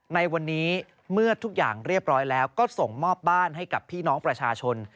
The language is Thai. ในวันนี้เมื่อทุกอย่างเรียบร้อยแล้วก็ส่งมอบบ้านให้กับพี่น้องประชาชน